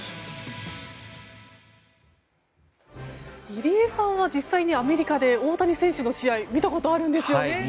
入江さんは実際にアメリカで大谷選手の試合見たことあるんですよね。